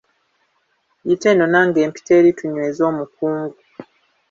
Yita eno nange mpite eri tunyweze omukungu.